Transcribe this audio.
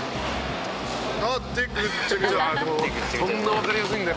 「そんなわかりやすいんだ。